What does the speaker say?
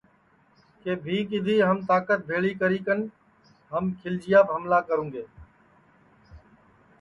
کہ بھی کِدھی ہم تاکت بھیݪی کری کن ہم کھیلچیاپ ہملہ کروُنگے